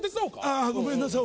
ああごめんなさい